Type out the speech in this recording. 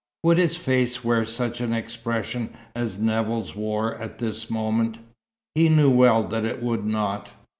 Would his face wear such an expression as Nevill's wore at this moment? He knew well that it would not.